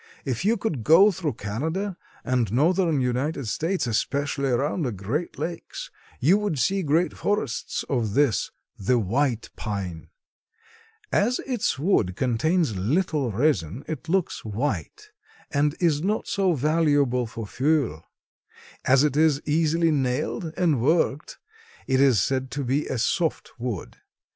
If you could go through Canada and northern United States, especially around the Great Lakes, you would see great forests of this—the white pine. As its wood contains little resin it looks white, and is not so valuable for fuel. As it is easily nailed and worked, it is said to be a soft wood.